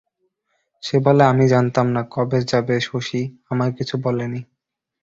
সে বলে, আমি জানতাম না, কবে যাবে শশী, আমায় কিছু বলেনি।